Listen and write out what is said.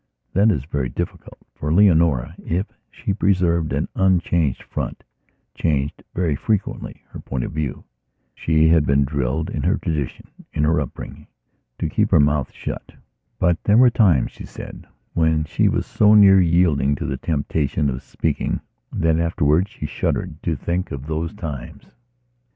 That is very difficult. For Leonora, if she preserved an unchanged front, changed very frequently her point of view. She had been drilledin her tradition, in her upbringingto keep her mouth shut. But there were times, she said, when she was so near yielding to the temptation of speaking that afterwards she shuddered to think of those times.